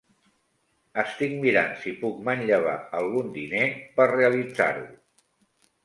Estic mirant si puc manllevar algun diner per realitzar-ho.